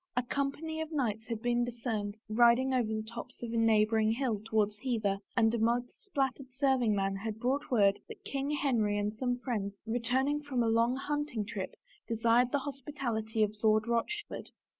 A company of knights had been discerned riding over the tops of a neighboring hill towards Hever and a mud spattered serving man had brought word that King Henry and some friends, returning from a long hunting trip, desired the hospi tality of Lord Rochford.